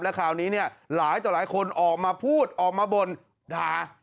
คราวนี้เนี่ยหลายต่อหลายคนออกมาพูดออกมาบ่นด่า